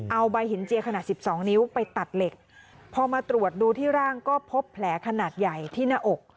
เอาใบหินเจียขนาดสิบสองนิ้วไปตัดเหล็กพอมาตรวจดูที่ร่างก็พบแผลขนาดใหญ่ที่หน้าอก